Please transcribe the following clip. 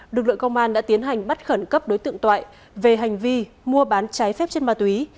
lực lượng công an đã tiến hành bắt khẩn cấp đối tượng toại về hành vi mua bán trái phép chất ma túy